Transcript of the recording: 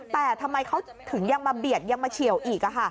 แต่ทำไมเขาถึงยังมาเบียดยังมาเฉียวอีก